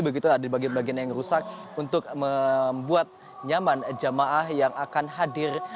begitu ada bagian bagian yang rusak untuk membuat nyaman jamaah yang akan hadir